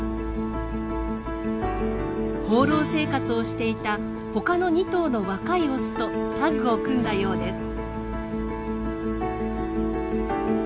放浪生活をしていた他の２頭の若いオスとタッグを組んだようです。